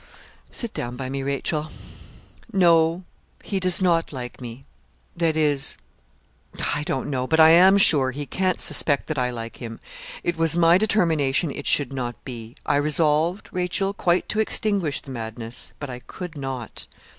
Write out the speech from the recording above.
'Sit down by me, Rachel. No, he does not like me that is I don't know; but, I am sure, he can't suspect that I like him. It was my determination it should not be. I resolved, Rachel, quite to extinguish the madness; but I could not.